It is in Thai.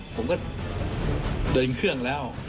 สนุนโดยน้ำดื่มสิง